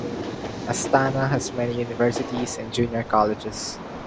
Astana has many universities and junior colleges.